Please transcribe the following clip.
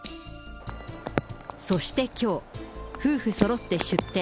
そしてきょう、夫婦そろって出廷。